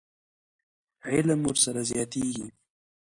علم ورسره زیاتېږي.